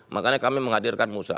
makanya kami menghadirkan musa